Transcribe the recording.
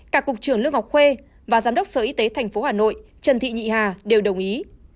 cả cục trưởng lương ngọc khuê và giám đốc sở y tế tp hà nội trần thị nhị hà đều đồng ý